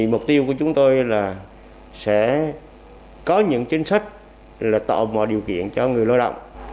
mục tiêu của chúng tôi là sẽ có những chính sách là tạo mọi điều kiện cho người lao động